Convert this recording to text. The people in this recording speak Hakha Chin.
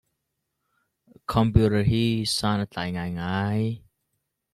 Computer hi san a tlai ngaingai.